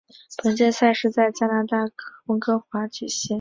本届赛事在加拿大温哥华举行。